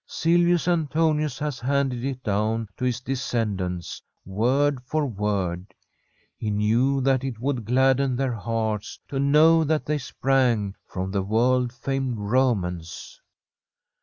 Silvius Antonius has handed it down to his descendants word for word. He knew that it would gladden their hearts to know that they sprang from the world famed Romans.